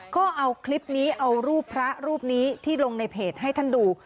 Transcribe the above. ก็เอาคลิปนี้เอารูปพระรูปนี้ที่ลงในเพจให้ท่านดู